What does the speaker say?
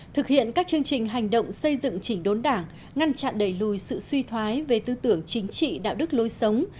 thực hiện các chương trình hành động xây dựng chỉnh đốn đảng ngăn chặn đẩy lùi sự suy thoái về tư tưởng chính trị đạo đức lối sống